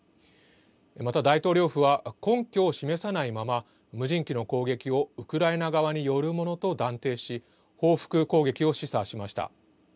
また、大統領府は、根拠を示さないまま、無人機の攻撃をウクライナ側によるものと断定し、報復攻撃を示唆しました。